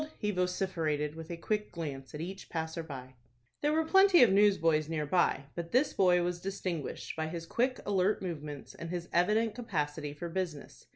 he vociferated, with a quick glance at each passer by. There were plenty of newsboys near by, but this boy was distinguished by his quick, alert movements, and his evident capacity for business.